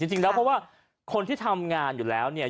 จริงแล้วเพราะว่าคนที่ทำงานอยู่แล้วเนี่ย